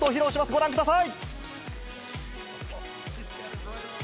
ご覧ください。